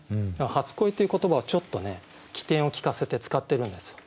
初恋っていう言葉をちょっとね機転を利かせて使ってるんですよ。